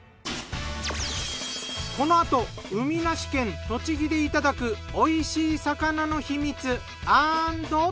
このあと海なし県栃木でいただく美味しい魚の秘密アンド。